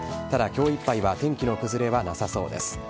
ただ、きょういっぱいは天気の崩れはなさそうです。